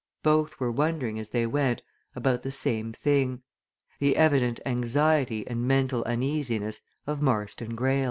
Both were wondering, as they went, about the same thing the evident anxiety and mental uneasiness of Marston Greyle.